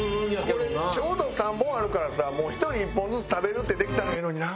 これちょうど３本あるからさ一人一本ずつ食べるってできたらええのにな。